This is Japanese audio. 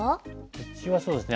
うちはそうですね